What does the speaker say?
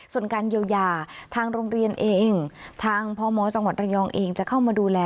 ส่วนการเยียวยาทางโรงเรียนเองทางพมจังหวัดระยองเองจะเข้ามาดูแล